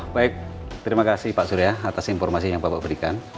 baik terima kasih pak surya atas informasi yang bapak berikan